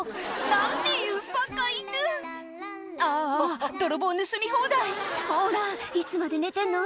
何ていうバカ犬ああ泥棒盗み放題ほらいつまで寝てんの？